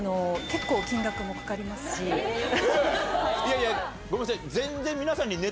いやいやごめんなさい。